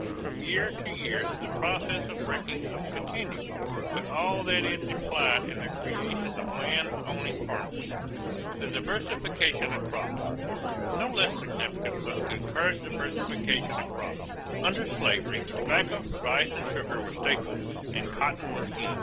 From year to year the process of breaking up continued, with all that it implied in the creation of land owning farmers. =The Diversification of Crops.= No less significant was the concurrent diversification of crops. Under slavery, tobacco, rice, and sugar were staples and "cotton was king."